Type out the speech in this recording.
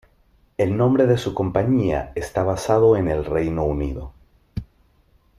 El nombre de su compañía está basado en el Reino Unido.